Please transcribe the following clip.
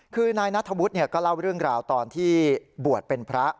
คือนายนัทธวุฒิก็เล่าเรื่องราวตอนที่บวชเป็นพระ